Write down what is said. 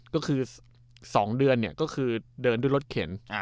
ก็คือ๒เดือนก็คือเดินด้วยรถเข็น